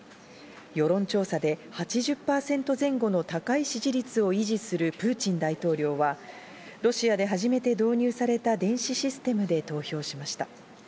世論調査で８０％前後の高い支持率を維持するプーチン大統領はロシアで初めて導入された電子システムで投票しました。